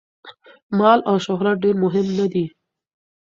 مال او شهرت ډېر مهم نه دي.